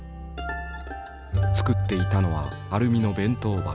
作っていたのはアルミの弁当箱。